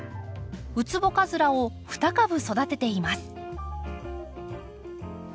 ウツボカズラを２株育てています。